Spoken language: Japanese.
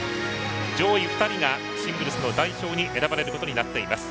上位２人がシングルスの代表に選ばれることになっています。